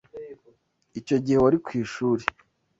Icyo gihe wari ku ishuri?